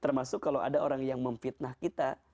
termasuk kalau ada orang yang memfitnah kita